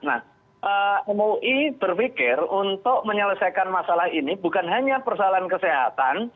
nah mui berpikir untuk menyelesaikan masalah ini bukan hanya persoalan kesehatan